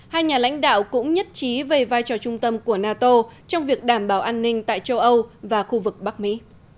hai nhà lãnh đạo cũng nhất trí về vai trò trung tâm của nato trong việc đảm bảo an ninh tại châu âu và khu vực bắc mỹ